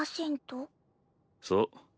そう。